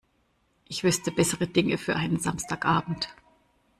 Ich wüsste bessere Dinge für einen Samstagabend.